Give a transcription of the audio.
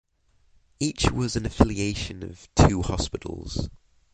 Each was an affiliation of two hospitals.